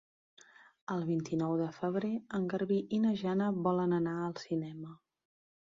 El vint-i-nou de febrer en Garbí i na Jana volen anar al cinema.